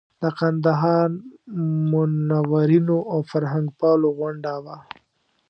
د کندهار منورینو او فرهنګپالو غونډه وه.